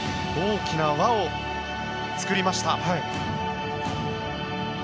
大きな輪を作りました。